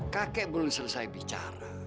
kakek belum selesai bicara